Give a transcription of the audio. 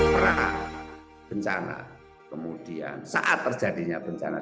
perang bencana kemudian saat terjadinya bencana